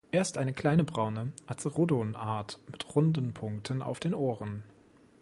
Er ist eine kleine braune "Acerodon"-Art mit runden Punkten auf den Ohren.